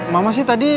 mama sih tadi